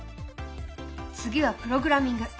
次はプログラミング。